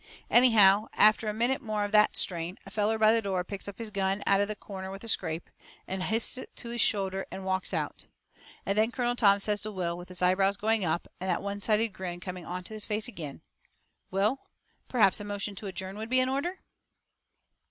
Anyhow, after a minute more of that strain, a feller by the door picks up his gun out of the corner with a scrape, and hists it to his shoulder and walks out. And then Colonel Tom says to Will, with his eyebrow going up, and that one sided grin coming onto his face agin: "Will, perhaps a motion to adjourn would be in order?"